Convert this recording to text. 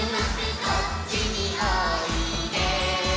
「こっちにおいで」